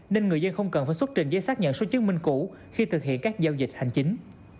nên người dân không cần phải xuất trình giấy xác nhận số chứng minh cũ khi thực hiện các giao dịch hành chính